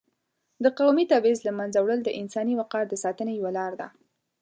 د قومي تبعیض له منځه وړل د انساني وقار د ساتنې یوه لار ده.